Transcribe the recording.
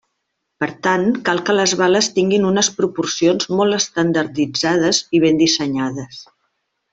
Per tant cal que les bales tinguin unes proporcions molt estandarditzades i ben dissenyades.